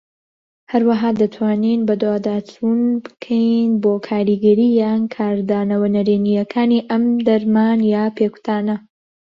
هەروەها دەتوانین بەدواداچوون بکەین بۆ کاریگەریی یان کاردانەوە نەرێنیەکانی ئەم دەرمان یان پێکوتانە.